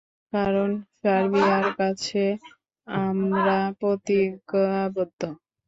কারণ, সার্বিয়ার কাছে আমরা প্রতিজ্ঞাবদ্ধ।